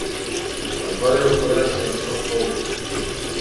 Агәаҩақәа рахь рхы хоуп.